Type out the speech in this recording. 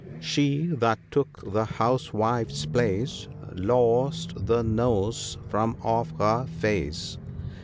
She that took the House wife's place Lost the nose from off her face.